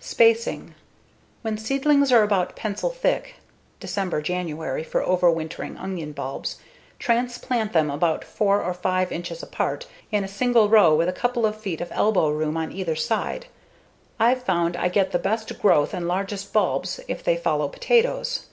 Spacing: When seedlings are about pencil thick (December/January for overwintering bulb onions), transplant them about 4 or 5 inches apart in a single row with a couple of feet of elbow room on either side. I've found I get the best growth and largest bulbs if they follow potatoes.